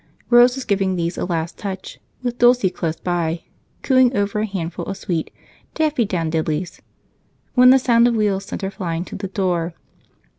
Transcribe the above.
Rose was giving these a last touch, with Dulce close by, cooing over a handful of sweet "daffydowndillies," when the sound of wheels sent her flying to the door.